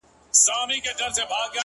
• نو شاعري څه كوي ـ